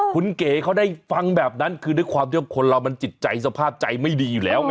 คุณเก๋เขาได้ฟังแบบนั้นคือด้วยความที่ว่าคนเรามันจิตใจสภาพใจไม่ดีอยู่แล้วไง